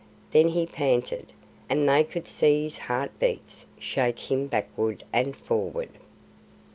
Then he panted, and they could see his heart beats shake him backward and forward.